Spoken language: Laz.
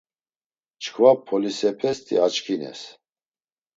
Çkva polisepesti açkines.